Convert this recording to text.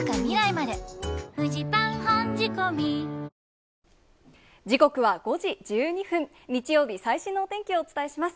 らしやっぱり、時刻は５時１２分、日曜日、最新のお天気をお伝えします。